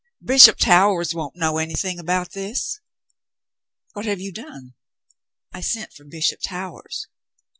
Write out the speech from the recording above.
Bishop Towers won't know anything about this." "What have you done ?'* "I sent for Bishop Towers."